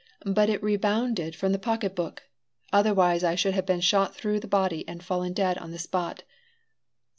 But it rebounded from the pocket book; otherwise, I should have been shot through the body and fallen dead on the spot.